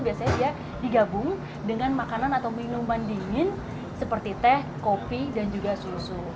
biasanya dia digabung dengan makanan atau minuman dingin seperti teh kopi dan juga susu